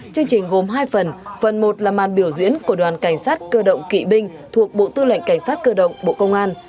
chương trình gồm hai phần phần một là màn biểu diễn của đoàn cảnh sát cơ động kỵ binh thuộc bộ tư lệnh cảnh sát cơ động bộ công an